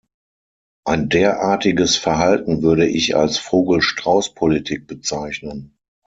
Ein derartiges Verhalten würde ich als Vogel-Strauß-Politik bezeichnen.